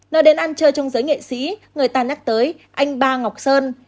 nơi đến ăn chơi trong giới nghệ sĩ người ta nhắc tới anh ba ngọc sơn